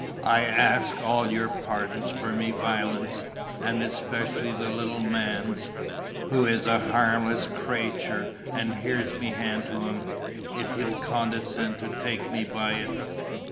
"I ask all your pardons for me voilence; and especially the little man's, who is a harmless crayture, and here's me hand to'm, if he'll condescind to take me by 't."